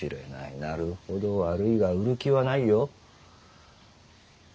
なるほど悪いが売る気はないよ。